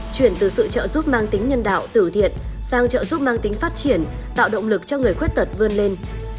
chuyển từ sự trợ giúp mang tính nhân đạo tử thiện sang trợ giúp mang tính phát triển tạo động lực cho người khuyết tật vươn lên